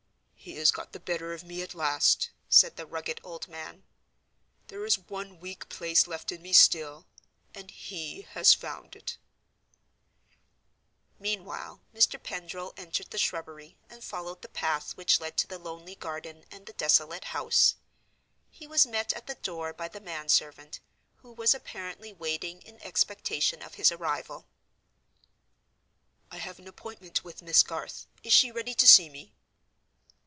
"He has got the better of me at last," said the rugged old man. "There is one weak place left in me still—and he has found it." Meanwhile, Mr. Pendril entered the shrubbery, and followed the path which led to the lonely garden and the desolate house. He was met at the door by the man servant, who was apparently waiting in expectation of his arrival. "I have an appointment with Miss Garth. Is she ready to see me?"